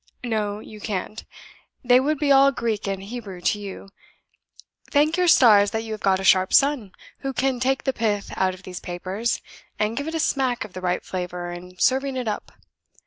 "No, you can't. They would be all Greek and Hebrew to you. Thank your stars that you have got a sharp son, who can take the pith out of these papers, and give it a smack of the right flavor in serving it up.